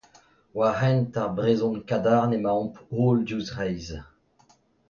War hent ar brezhon kadarn emaomp holl diouzh reizh.